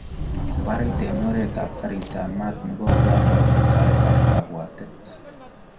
Saparit eng oret ab garit ab mat nebo Uganda kokisait ab kabwatet.